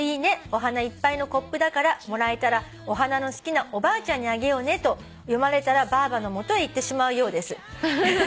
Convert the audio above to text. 『お花いっぱいのコップだからもらえたらお花の好きなおばあちゃんにあげようね』と読まれたらばあばの元へ行ってしまうようです」